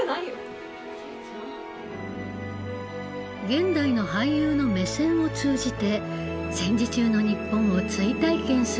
現代の俳優の目線を通じて戦時中の日本を追体験する試み。